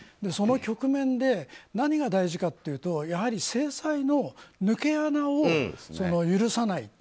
その局面で何が大事かっていうとやはり制裁の抜け穴を許さない。